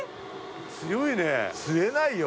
強いね吸えないよ